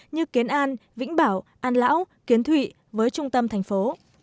như kiến an vĩnh bảo an lão kiến thụy với trung tâm thành phố